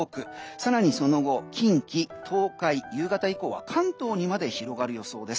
更にその後、近畿、東海夕方以降は関東にまで広がる予想です。